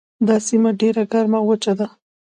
دا سیمه ډیره ګرمه او وچه ده.